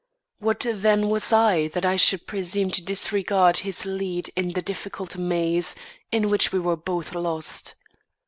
What then was I that I should presume to disregard his lead in the difficult maze in which we were both lost.